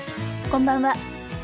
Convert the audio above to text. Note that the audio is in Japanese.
こんばんは。